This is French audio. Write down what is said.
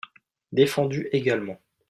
Défendu également.